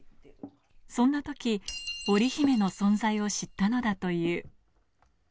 そんなとき、オリヒメの存在を知ったのだという。